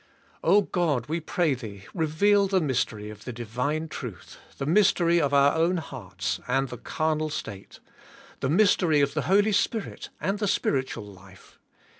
"Oh God, we pray Thee, reveal the mystery of the Divine truth; the mystery of our own hearts, and the carnal state; the mystery of the Holy Spirit, and the spiritual life.